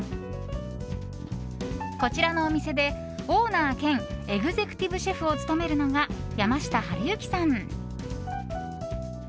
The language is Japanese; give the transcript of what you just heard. こちらのお店で、オーナー兼エグゼクティブシェフを務めるのが、山下春幸さん。